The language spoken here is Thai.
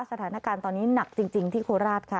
สถานการณ์ตอนนี้หนักจริงที่โคราชค่ะ